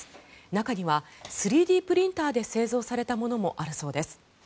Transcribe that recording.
中には３Ｄプリンターで製造されたものもあるそうです。